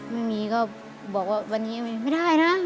ไม่มีก็บอกว่าวันนี้ไม่ได้นะ